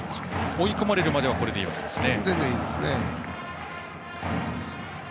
追い込まれるまでは全然いいですね。